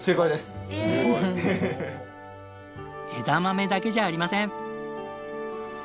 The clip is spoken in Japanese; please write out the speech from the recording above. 枝豆だけじゃありません。